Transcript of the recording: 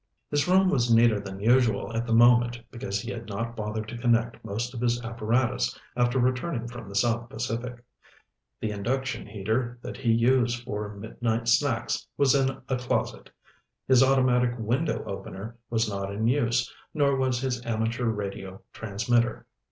His room was neater than usual at the moment because he had not bothered to connect most of his apparatus after returning from the South Pacific. The induction heater that he used for midnight snacks was in a closet. His automatic window opener was not in use, nor was his amateur radio transmitter.